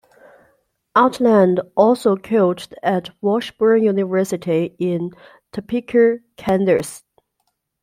Outland also coached at Washburn University in Topeka, Kansas.